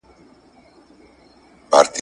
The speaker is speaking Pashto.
تر خيښ، ځان را پېش.